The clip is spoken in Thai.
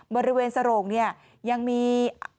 บริเวณสโรงเนี่ยยังมี